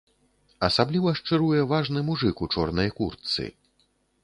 Асабліва шчыруе важны мужык у чорнай куртцы.